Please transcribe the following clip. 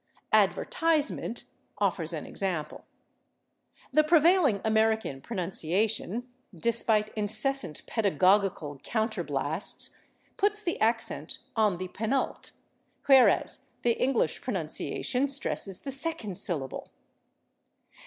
/Advertisement/ offers an example. The prevailing American pronunciation, despite incessant pedagogical counterblasts, puts the accent on the penult, whereas the English pronunciation stresses the second syllable.